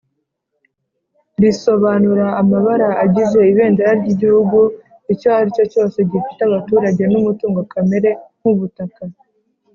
risobanura amabara agize Ibendera ry Igihugu icyari cyo cyose gifite abaturage numutungo kamere nk’ ubutaka